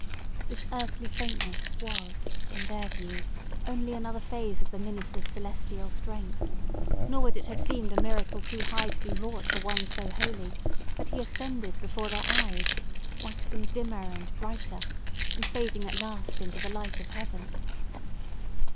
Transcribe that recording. This earthly faintness, was, in their view, only another phase of the minister's celestial strength; nor would it have seemed a miracle too high to be wrought for one so holy, had he ascended before their eyes, waxing dimmer and brighter, and fading at last into the light of heaven!